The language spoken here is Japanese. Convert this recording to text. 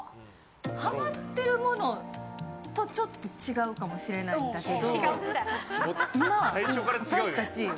ハマってるものとちょっと違うかもしれないんだけど。